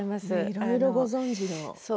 いろいろご存じで。